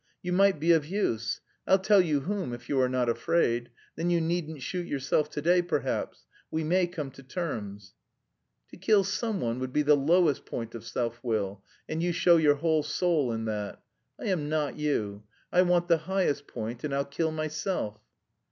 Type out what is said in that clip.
You might be of use. I'll tell you whom, if you are not afraid. Then you needn't shoot yourself to day, perhaps. We may come to terms." "To kill someone would be the lowest point of self will, and you show your whole soul in that. I am not you: I want the highest point and I'll kill myself."